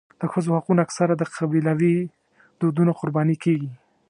د ښځو حقونه اکثره د قبیلوي دودونو قرباني کېږي.